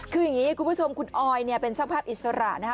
คืออย่างนี้คุณผู้ชมคุณออยเนี่ยเป็นช่างภาพอิสระนะฮะ